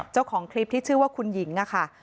เจ้าของคลิปที่ชื่อว่าคุณหญิงอะค่ะ